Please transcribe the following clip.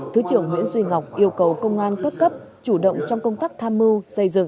thứ trưởng nguyễn duy ngọc yêu cầu công an các cấp chủ động trong công tác tham mưu xây dựng